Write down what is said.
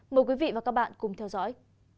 mời quý vị và các bạn cùng theo dõi